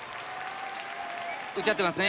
「打ち合ってますね」。